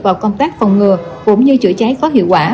vào công tác phòng ngừa cũng như chữa cháy có hiệu quả